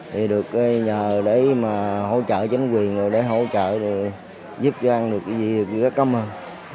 thì được nhờ để mà hỗ trợ chính quyền rồi để hỗ trợ rồi giúp cho ăn được cái gì cũng rất cảm ơn